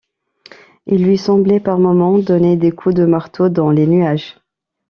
Il lui semblait par moments donner des coups de marteau dans les nuages.